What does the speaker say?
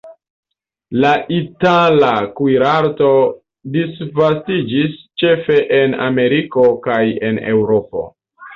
La itala kuirarto disvastiĝis ĉefe en Ameriko kaj en Eŭropo.